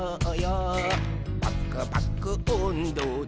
「パクパクおんどで」